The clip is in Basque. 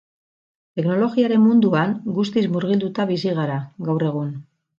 Teknologiaren munduan guztiz murgilduta bizi gara, gaur egun.